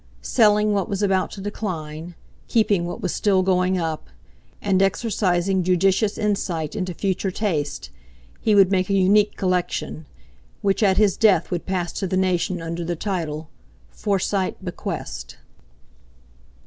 Selling what was about to decline, keeping what was still going up, and exercising judicious insight into future taste, he would make a unique collection, which at his death would pass to the nation under the title "Forsyte Bequest."